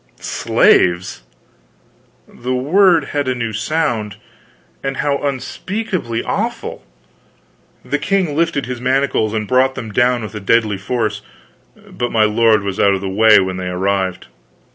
Slaves! The word had a new sound and how unspeakably awful! The king lifted his manacles and brought them down with a deadly force; but my lord was out of the way when they arrived.